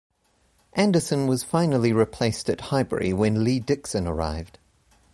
Anderson was finally replaced at Highbury when Lee Dixon arrived.